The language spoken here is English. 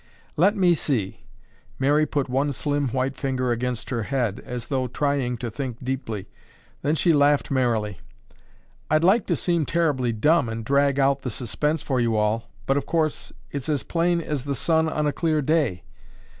"Hmm. Let me see." Mary put one slim white finger against her head, as though trying to think deeply. Then she laughed merrily. "I'd like to seem terribly dumb and drag out the suspense for you all, but, of course, it's as plain as the sun on a clear day.